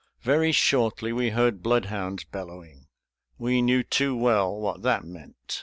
Very shortly we heard bloodhounds bellowing. We knew too well what that meant.